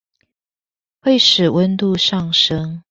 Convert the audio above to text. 會使溫度上昇